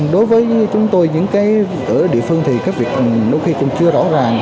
đối với chúng tôi ở địa phương thì các việc đôi khi cũng chưa rõ ràng